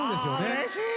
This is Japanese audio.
うれしい！